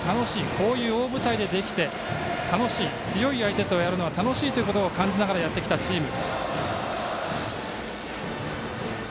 こういう大舞台でできて楽しい強い相手とやるのは楽しいということを感じながらやってきたチーム。